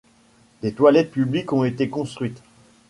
Des toilettes publiques ont été construites.